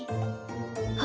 あ！